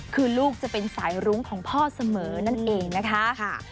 คือลูกจะเป็นสายรุ้งของพ่อเสมอนั่นเองนะคะ